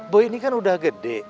bu ini kan udah gede